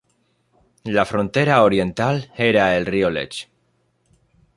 La frontera oriental era el río Lech.